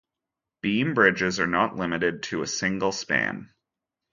Beam bridges are not limited to a single span.